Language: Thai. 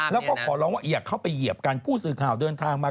แล้วก็ขอร้องว่าอย่าเข้าไปเหยียบกันผู้สื่อข่าวเดินทางมา